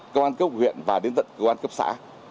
công an cấp huyện và đến tận công an cấp xã